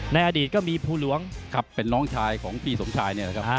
ในอดีตก็มีภูลวงเป็นน้องชายของพี่สมชาย